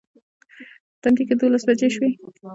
په تندي کې دولس بجې شوې.